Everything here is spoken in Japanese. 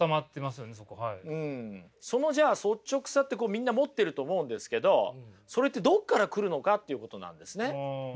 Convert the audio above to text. そのじゃあ率直さってこうみんな持ってると思うんですけどそれってどこから来るのかっていうことなんですね。